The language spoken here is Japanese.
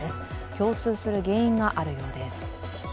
共通する原因があるようです。